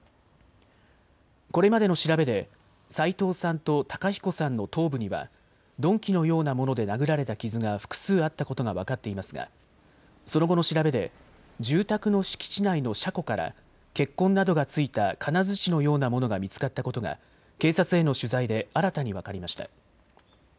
これまでの調べで齋藤さんと孝彦さんの頭部には鈍器のようなもので殴られた傷が複数あったことが分かっていますがその後の調べで住宅の敷地内の車庫から血痕などが付いた金づちのようなものが見つかったことが警察への取材で新たに分かりました。